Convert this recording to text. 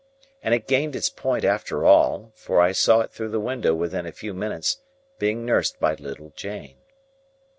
And it gained its point after all, for I saw it through the window within a few minutes, being nursed by little Jane.